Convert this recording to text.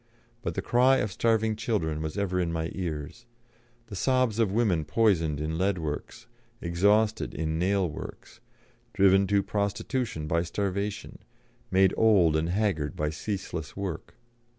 But the cry of starving children was ever in my ears; the sobs of women poisoned in lead works, exhausted in nail works, driven to prostitution by starvation, made old and haggard by ceaseless work.